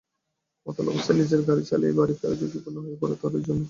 মাতাল অবস্থায় নিজের গাড়ি চালিয়ে বাড়ি ফেরা ঝুঁকিপূর্ণ হয়ে পড়ে তাঁদের জন্য।